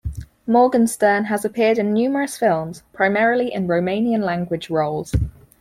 Morgenstern has appeared in numerous films, primarily in Romanian language roles.